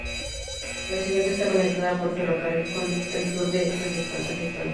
La ciudad está conectada por ferrocarril con el sur de Kazajistán y Rusia.